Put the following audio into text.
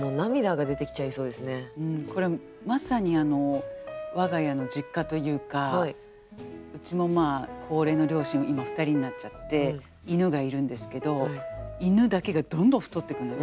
これはまさに我が家の実家というかうちも高齢の両親が今２人になっちゃって犬がいるんですけど犬だけがどんどん太ってくのよ。